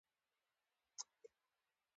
موږ له حواسو او تجربوي پوهې پېژنو.